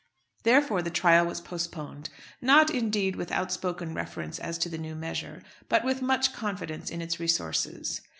Therefore the trial was postponed; not, indeed, with outspoken reference as to the new measure, but with much confidence in its resources.